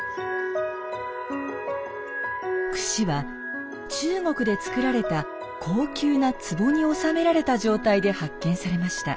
くしは中国で作られた高級なつぼに納められた状態で発見されました。